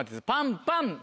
パンパン。